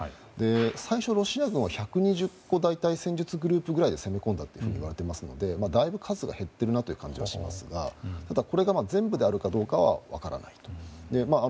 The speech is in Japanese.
最初、ロシア軍は、１２０個大隊戦術グループくらいで攻め込んだといわれていますのでだいぶ数が減っているなという感じがしますがこれでも全部であるかは分からないと。